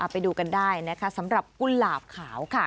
ไปดูกันได้นะคะสำหรับกุหลาบขาวค่ะ